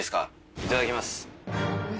いただきます。